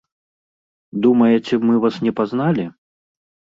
Думаеце, мы вас не пазналі?